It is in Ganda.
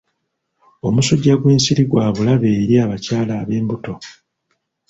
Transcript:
Omusujja gw'ensiri gwa bulabe eri abakyala ab'embuto.